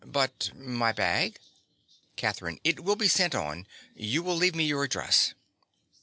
But my bag? CATHERINE. It will be sent on. You will leave me your address.